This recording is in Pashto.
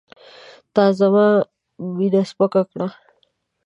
تا زما مینه سپکه کړه.